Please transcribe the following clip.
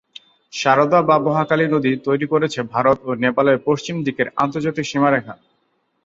সারদা বা মহাকালী নদী তৈরি করেছে ভারত ও নেপালের পশ্চিম দিকের আন্তর্জাতিক সীমারেখা।